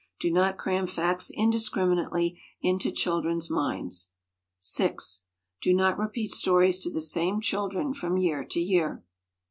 Do not cram facts indiscriminately into children's minds. 6. Do not repeat stories to the same children from year to year.